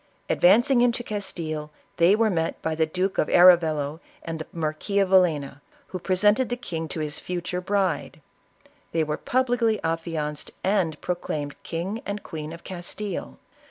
Advancing into Castile, they were met by the Duke of Arevalo and the Marquis of Villena, who presented the king to his future bride. They were publicly affianced and proclaimed King and Queen of Castile.